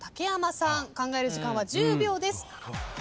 考える時間は１０秒です。